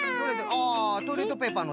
あトイレットペーパーのしん？